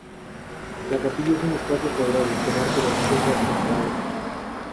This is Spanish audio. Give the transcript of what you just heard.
La capilla es un espacio cuadrado con arco de acceso apuntado.